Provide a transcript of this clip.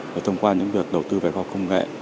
và thông qua những việc đầu tư về kho công nghệ